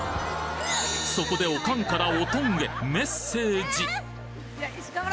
そこでオカンからオトンへメッセージよし頑張ろ！